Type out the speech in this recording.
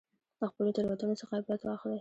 د خپلو تېروتنو څخه عبرت واخلئ.